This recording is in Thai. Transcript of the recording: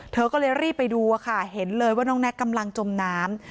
เธอก็เลยรีบไปดูค่ะเห็นเลยว่าน้องแน็กกำลังจมน้ำ